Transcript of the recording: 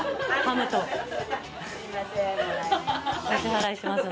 お支払いします。